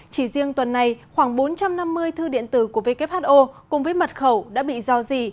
chỉ riêng tuần này khoảng bốn trăm năm mươi thư điện tử của who cùng với mật khẩu đã bị do dỉ